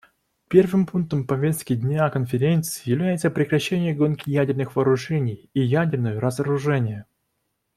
Первым пунктом повестки дня Конференции является прекращение гонки ядерных вооружений и ядерное разоружение.